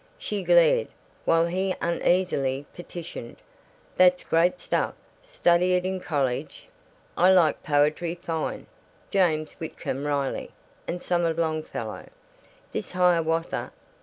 She glared, while he uneasily petitioned, "That's great stuff. Study it in college? I like poetry fine James Whitcomb Riley and some of Longfellow this 'Hiawatha.'